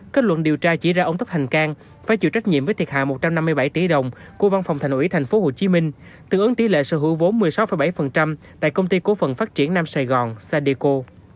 kết luận điều tra chỉ ra ông tất thành cang phải chịu trách nhiệm với thiệt hại một trăm năm mươi bảy tỷ đồng của văn phòng thành ủy tp hcm tương ứng tỷ lệ sở hữu vốn một mươi sáu bảy tại công ty cố phần phát triển nam sài gòn sadeco